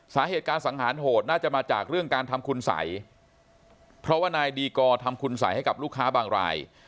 สาเหตุการสังหารโหดน่าจะมาจากเรื่องการทำคุณสัยเพราะว่านายดีกอร์ทำคุณสัยให้กับลูกค้าบางราย